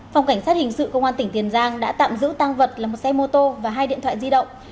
phòng cảnh sát hình sự công an tỉnh tiền giang đã tạm giữ tăng vật là một xe mô tô và hai điện thoại di động